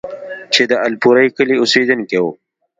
چې د الپورۍ کلي اوسيدونکی وو،